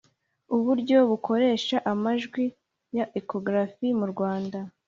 Uburyo bukoresha amajwi ya ekogarafi mu Rwanda